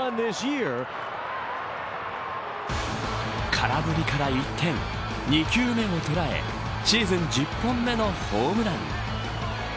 空振りから一転２球目を捉えシーズン１０本目のホームラン。